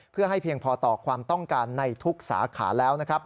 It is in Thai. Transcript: เพื่อให้เพียงพอต่อความต้องการในทุกสาขาแล้วนะครับ